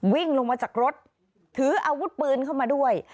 วิ่งลงมาจากรถถืออาวุธปืนเข้ามาด้วย